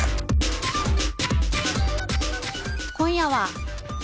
［今夜は］